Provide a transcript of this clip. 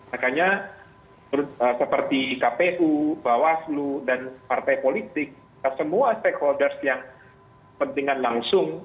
makanya seperti kpu bawaslu dan partai politik semua stakeholders yang pentingan langsung